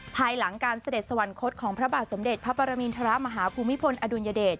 ภายหลังการเสด็จสวรรคตของพระบาทสมเด็จพระปรมินทรมาฮภูมิพลอดุลยเดช